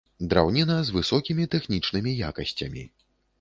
Драўніна з высокімі тэхнічнымі якасцямі.